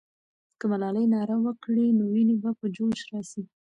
که ملالۍ ناره وکړي، نو ويني به په جوش راسي.